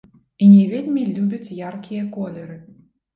І не вельмі любяць яркія колеры.